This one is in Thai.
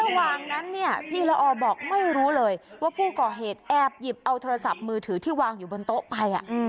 ระหว่างนั้นเนี่ยพี่ละออบอกไม่รู้เลยว่าผู้ก่อเหตุแอบหยิบเอาโทรศัพท์มือถือที่วางอยู่บนโต๊ะไป